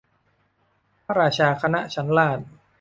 พระราชาคณะชั้นราช